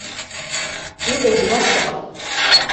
Иҟоузеи уаԥхьаҟа?